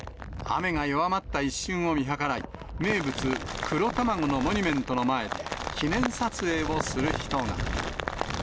雨が弱まった一瞬を見計らい、名物、黒たまごのモニュメントの前で、記念撮影をする人が。